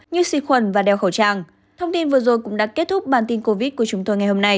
như xịt khuẩn và đeo khẩu trang